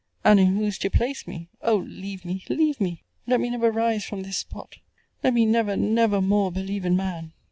And in whose to place me? O leave me, leave me! let me never rise from this spot! let me never, never more believe in man!